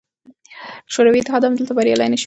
شوروي اتحاد هم دلته بریالی نه شو.